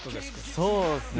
そうっすね